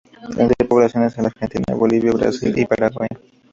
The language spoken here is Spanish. Tendría poblaciones en la Argentina, Bolivia, Brasil y Paraguay.